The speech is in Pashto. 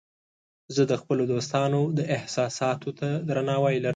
زه د خپلو دوستانو احساساتو ته درناوی لرم.